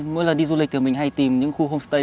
mỗi lần đi du lịch thì mình hay tìm những khu homestay